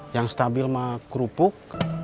yang stabil mah kerupuk